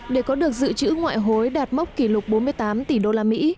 để có được dự trữ ngoại hối đạt mốc kỷ lục bốn mươi tám tỷ usd